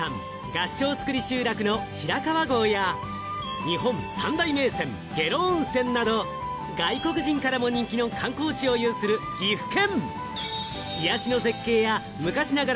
世界文化遺産、合掌造り集落の白川郷や、日本三大銘泉・下呂温泉など外国人からも人気の観光地を有する岐阜県。